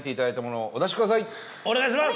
飯尾：お願いします！